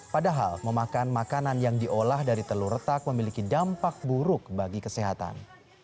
padahal memakan makanan yang diolah dari telur retak memiliki dampak buruk bagi kesehatan